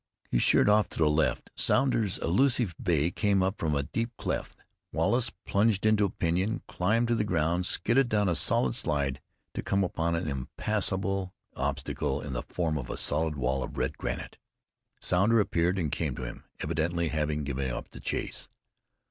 He sheered off to the left. Sounder's illusive bay came up from a deep cleft. Wallace plunged into a pinyon, climbed to the ground, skidded down a solid slide, to come upon an impassable the obstacle in the form of a solid wall of red granite. Sounder appeared and came to him, evidently having given up the chase.